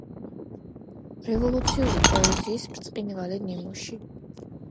რევოლუციური პოეზიის ბრწყინვალე ნიმუში.